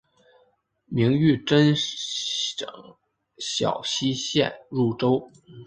明玉珍省小溪县入州。